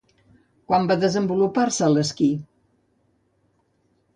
Quan va desenvolupar-se l'esquí?